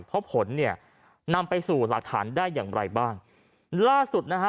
เพราะผลเนี่ยนำไปสู่หลักฐานได้อย่างไรบ้างล่าสุดนะฮะ